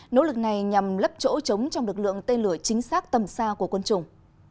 nỗ lực này nhằm lấp chỗ chống trong lực lượng tên lửa chính xác tầm xa của quân chủng